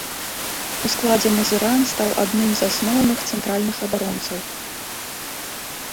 У складзе мазыран стаў адным з асноўных цэнтральных абаронцаў.